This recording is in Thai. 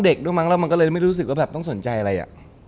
เด็กด้วยมั้งแล้วมันก็เลยไม่รู้สึกว่าแบบต้องสนใจอะไรอ่ะ